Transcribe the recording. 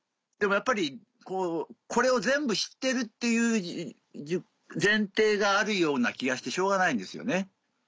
でもやっぱりこれを全部知ってるっていう前提があるような気がしてしょうがないんですよね。